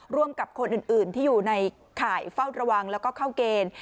ร่วมกับคนอื่นที่อยู่ในข่ายเฝ้าระวังแล้วก็เข้าเกณฑ์